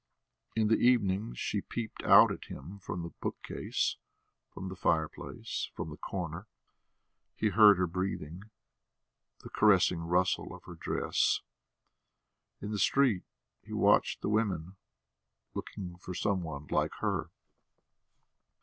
In the evenings she peeped out at him from the bookcase, from the fireplace, from the corner he heard her breathing, the caressing rustle of her dress. In the street he watched the women, looking for some one like her.